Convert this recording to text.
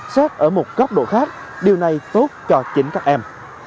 xét ở một góc độ khác điều này tốt cho chính các em